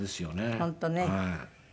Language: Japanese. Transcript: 本当ね。